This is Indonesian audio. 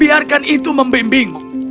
biarkan itu membimbingmu